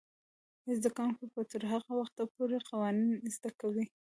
زده کوونکې به تر هغه وخته پورې قوانین زده کوي.